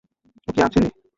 ও কি আছে?